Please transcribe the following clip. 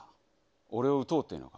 俺を撃とうっていうのか。